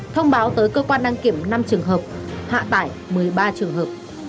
thông báo tới cơ quan đăng kiểm năm trường hợp hạ tải một mươi ba trường hợp